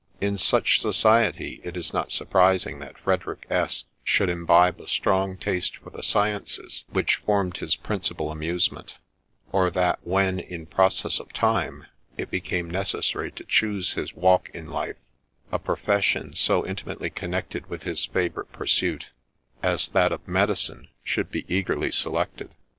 In such society it is not surprising that Frederick S should imbibe a strong taste for the sciences which formed his principal amusement ; or that when, in process of time, it became necessary to choose his walk in life, a profession so in timately connected with his favourite pursuit as that of medicine 112 .SINGULAR PASSAGE IN THE LIFE OF should be eagerly selected.